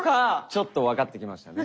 ちょっと分かってきましたね。